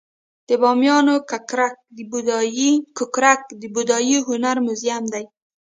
د بامیانو ککرک د بودايي هنر موزیم دی